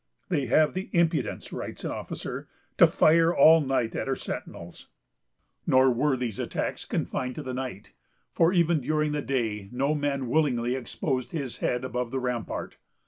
"They have the impudence," writes an officer, "to fire all night at our sentinels;" nor were these attacks confined to the night, for even during the day no man willingly exposed his head above the rampart.